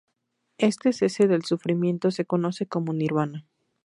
Este cese del sufrimiento se conoce como nirvana.